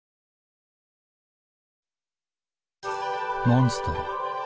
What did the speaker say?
モンストロ。